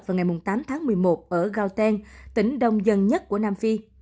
vào ngày tám tháng một mươi một ở gauten tỉnh đông dân nhất của nam phi